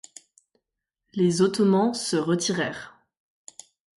Les Ottomans se retirèrent.